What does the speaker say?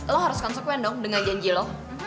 lo harus konsekuen dong dengan janji lo